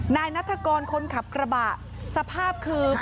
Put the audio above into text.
นายนัตกรคนขับกระบะสภาพคือเหมือน